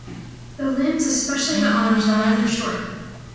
The limbs, especially the arms, are rather short.